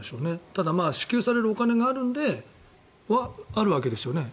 ただ支給されるお金があるのであるんですよね？